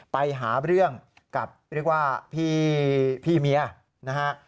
ไปหาเรื่องกับเรียกว่าพี่เมียนะฮะ